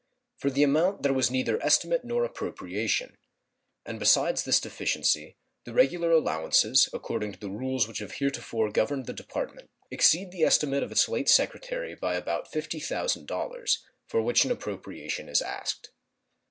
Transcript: For the amount there was neither estimate nor appropriation; and besides this deficiency, the regular allowances, according to the rules which have heretofore governed the Department, exceed the estimate of its late Secretary by about $50,000, for which an appropriation is asked.